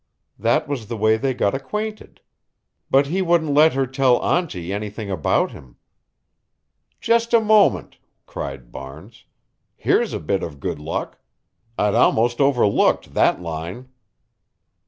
That was the way they got acquainted. But he wouldn't let her tell auntie anything about him." "Just a moment," cried Barnes. "Here's a bit of good luck. I'd almost overlooked that line."